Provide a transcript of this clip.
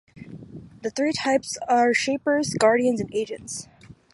The three types are Shapers, Guardians, and Agents.